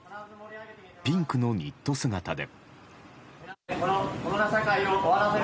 ピンクのニット姿で。